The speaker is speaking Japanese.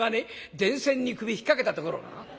電線に首引っ掛けたところ」。